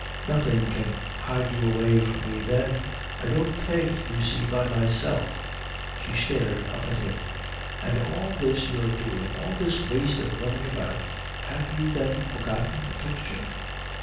"Nothing can hide you away from me then. I don't paint, you see, by myself " She stared up at him. "And all this you're doing, all this waste of running about have you then forgotten the picture?"